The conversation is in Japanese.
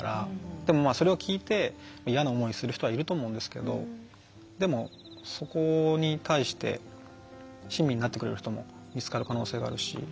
でもそれを聞いて嫌な思いをする人はいると思うんですけどでも、そこに対して親身になってくれる人も見つかる可能性があるし。